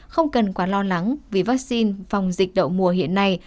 không cần quá lo lắng vì vaccine phòng dịch đậu mùa hiện nay